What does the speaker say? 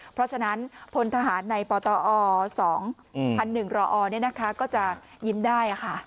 เพราะฉะนั้นพลทหารในปตอ๒๐๐๑รอเนี่ยนะคะก็จะยิ้มได้ค่ะ